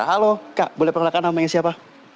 halo kak boleh perkenalkan namanya siapa